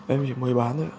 em chỉ mới bán thôi